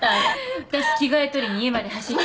あたし着替え取りに家まで走って。